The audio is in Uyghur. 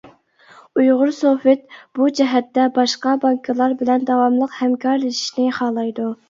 ئۇيغۇرسوفت بۇ جەھەتتە باشقا بانكىلار بىلەن داۋاملىق ھەمكارلىشىشنى خالايدۇ.